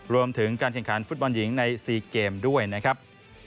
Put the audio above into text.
รวมถึงการแข่งขันฟุตบอลหญิงใน๔เกมด้วยนะครับ